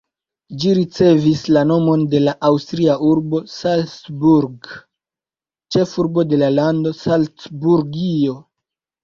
Ĝi ricevis la nomon de la aŭstria urbo Salzburg, ĉefurbo de la lando Salcburgio.